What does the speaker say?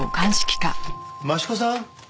益子さん。